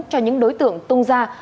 cho những đối tượng tung ra